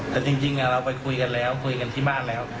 แต่จริงเราไปคุยกันแล้วคุยกันที่บ้านแล้ว